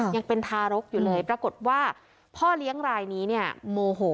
ยังเป็นทารกอยู่เลยปรากฏว่าพ่อเลี้ยงรายนี้เนี่ยโมโห